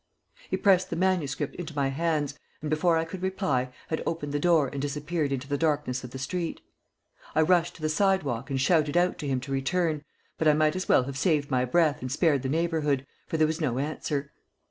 He pressed the manuscript into my hands, and before I could reply had opened the door and disappeared into the darkness of the street. I rushed to the sidewalk and shouted out to him to return, but I might as well have saved my breath and spared the neighborhood, for there was no answer.